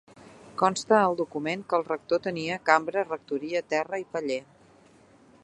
Consta al document que el rector tenia cambra, rectoria, terra i paller.